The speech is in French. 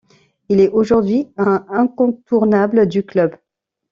Il est aujourd'hui un incontournable du club.